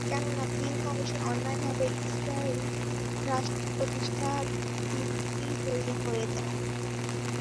কেননা Peel commission অন্যায়ভাবে Israel রাষ্ট্র প্রতিষ্ঠার ভিত্তি তৈরি করে দেয়।